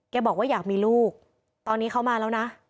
บอกว่าอยากมีลูกตอนนี้เขามาแล้วนะ